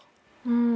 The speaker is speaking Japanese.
うん。